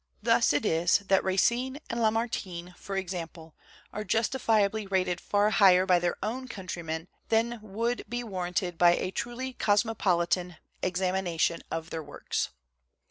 Thus it is that Racine and Lamartine, for example, are justifiably rated far higher by their own coun trymen than would be warranted by a truly cosmopolitan examination of their works.